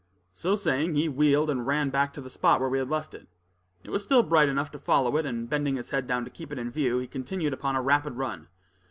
So saying, he wheeled and ran back to the spot where we had left it. It was still bright enough to follow it, and bending his head down to keep it in view, he continued upon a rapid run.